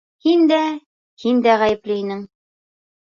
Һин дә, һин дә ғәйепле инең.